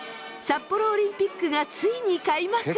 札幌オリンピックがついに開幕。